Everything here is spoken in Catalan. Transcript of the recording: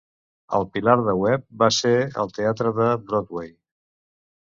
El pilar de Webb va ser el teatre de Broadway.